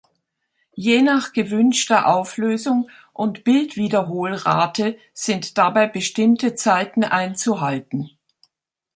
Je nach gewünschter Auflösung und Bildwiederholrate sind dabei bestimmte Zeiten einzuhalten.